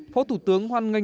phó thủ tướng hoan nghênh